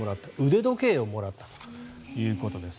腕時計をもらったということです。